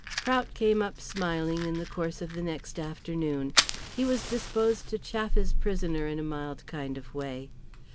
Prout came up smiling in the course of the next afternoon. He was disposed to chaff his prisoner in a mild kind of way.